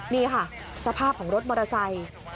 นี่ค่ะสภาพของรถมอเตอร์ไซค์